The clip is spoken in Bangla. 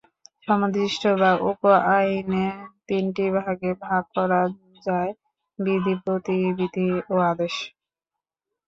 সমাদিষ্ট বা উপ-আইনকে তিনটি ভাগে ভাগ করা যায়, বিধি, প্রবিধি ও আদেশ।